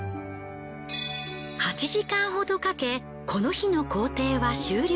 ８時間ほどかけこの日の行程は終了。